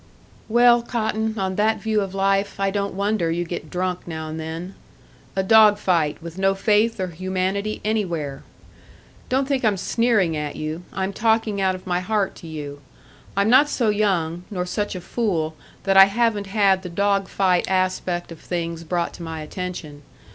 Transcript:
"Well, Cotton, on that view of life, I don't wonder you get drunk now and then. A dog fight, with no faith or humanity anywhere! Don't think I'm sneering at you I'm talking out of my heart to you. I'm not so young, nor such a fool, that I haven't had the dog fight aspect of things brought to my attention.